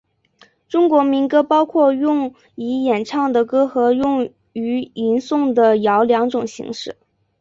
中国民歌包括用以演唱的歌和用于吟诵的谣两种形式。